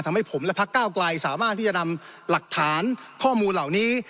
ทำให้ผมและพักก้าวไกลสามารถที่จะนำหลักฐานข้อมูลเหล่านี้